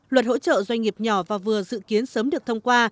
luật hỗ trợ doanh nghiệp nhỏ và vừa dự kiến sớm được thông qua